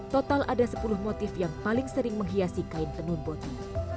total ada sepuluh motif yang paling sering menghiasi kain tenun boti